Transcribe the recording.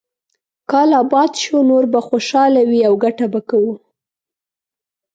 کال اباد شو، نور به خوشاله وي او ګټه به کوو.